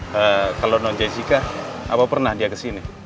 he kalau no jessica apa pernah dia ke sini